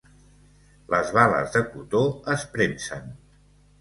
Les bales de cotó es premsen.